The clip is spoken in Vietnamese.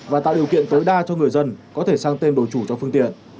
và tạo điều kiện tối đa cho người dân có thể sang tên đổi chủ cho phương tiện